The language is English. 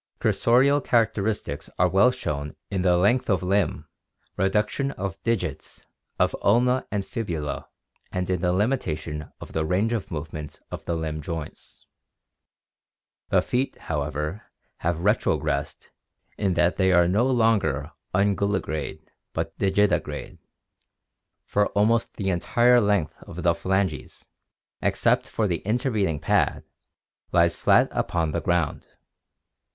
— Cursorial characteristics are well shown in the length of limb, reduction of digits, of ulna and fibula, and in the limitation of the range of movement of the limb joints. The feet, however, have retrogressed in that they are no longer un ORGANIC EVOLUTION guligrade but digitigrade, for almost the entire length of the phalanges, except for the intervening pad, lies flat upon the ground.